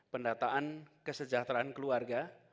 pendataan kesejahteraan keluarga